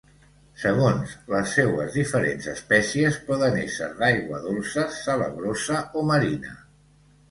Segons les seues diferents espècies, poden ésser d'aigua dolça, salabrosa o marina.